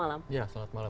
ya selamat malam